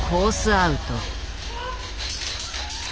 アウト。